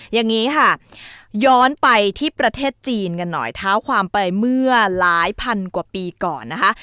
อย่างนี้ค่ะย้อนไปที่ประเทศจีนกันหน่อยเท้าความไปเมื่อหลายพันกว่าปีก่อนนะคะ